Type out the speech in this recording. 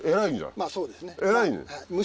まぁそうですね。